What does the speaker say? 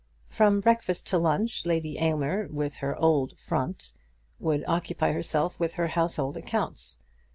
From breakfast to lunch Lady Aylmer, with her old "front," would occupy herself with her household accounts.